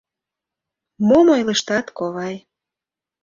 Мом ойлыштат, ковай?